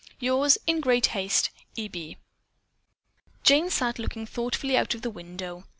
"Yours in great haste, E. B." Jane sat looking thoughtfully out of the window.